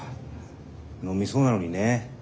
飲みそうなのにね。